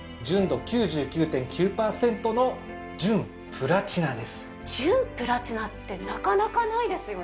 こちらの純プラチナってなかなかないですよね？